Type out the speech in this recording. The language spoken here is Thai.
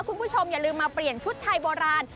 คุณผู้ชมอย่าลืมมาเปลี่ยนชุดไทยโบราณ